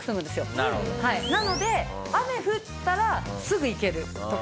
なので雨降ったらすぐ行けるとか。